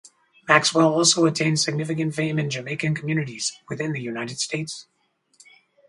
Maxwell also attained significant fame in Jamaican communities within the United States.